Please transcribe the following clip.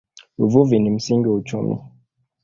Uvuvi ni msingi wa uchumi.